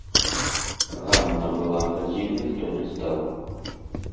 Ганна была адзінай, хто не здаў.